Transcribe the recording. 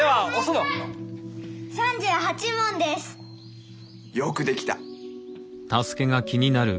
よくできた！